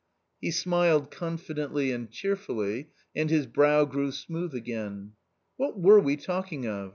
'' He smiled confidently and cheerfully, and his brow grew smooth again. "What were we talking of?